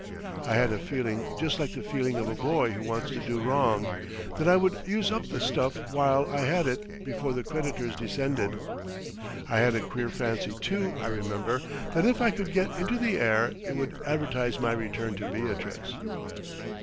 I had a feeling just like the feeling of a boy who wants to do wrong, that I would use up the stuff while I had it before the creditors descended. I had a queer fancy, too, I remember, that if I could get into the air it would advertise my return to Beatrice.